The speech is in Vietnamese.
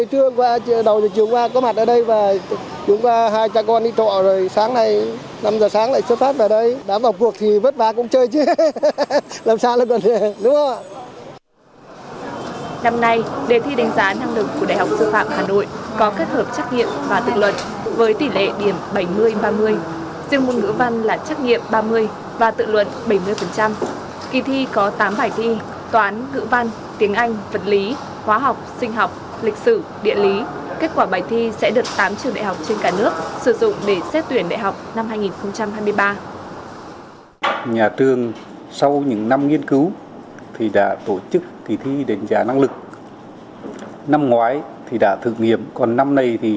thế nhưng với lòng yêu nghề sư phạm một lần nữa thu phương lại quyết tâm tham gia kỳ thi đánh giá năng lực tại trường bệ học sư phạm hà nội để đạt được mong ước của mình